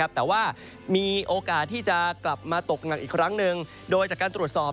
แต่ว่ามีโอกาสที่จะกลับมาตกหนักอีกครั้งหนึ่งโดยจากการตรวจสอบ